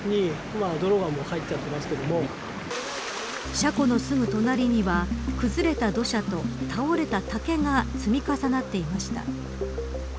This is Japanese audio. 車庫のすぐ隣には崩れた土砂と倒れた竹が積み重なっていました。